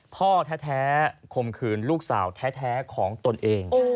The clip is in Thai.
พ่อแท้คมขืนลูกสาวแท้ของตนเอง